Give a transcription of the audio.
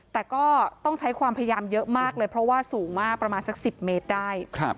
แต่ก็ต้องใช้ความพยายามเยอะมากเลยเพราะว่าสูงมากประมาณสัก๑๐เมตรได้